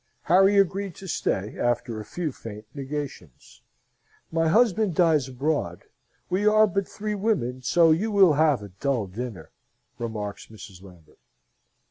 Harry agreed to stay, after a few faint negations. "My husband dines abroad. We are but three women, so you will have a dull dinner," remarks Mrs. Lambert.